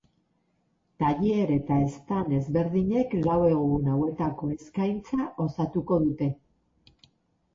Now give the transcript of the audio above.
Tailer eta stand ezberdinek lau egun hauetako eskaintza osatuko dute.